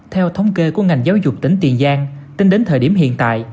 theo thống kê của ngành giáo dục tỉnh tiền giang tính đến thời điểm hiện tại